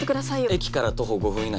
駅から徒歩５分以内。